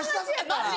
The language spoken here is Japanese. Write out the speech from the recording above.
マジ？